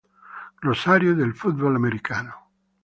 Glossario del football americano